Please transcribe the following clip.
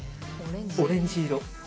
オレンジ色。